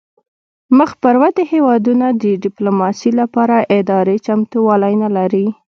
مخ پر ودې هیوادونه د ډیپلوماسي لپاره اداري چمتووالی نلري